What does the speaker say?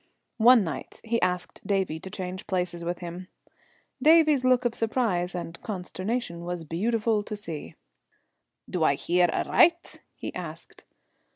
One night he asked Davie to change places with him. Davie's look of surprise and consternation was beautiful to see. "Do I hear aricht?" he asked.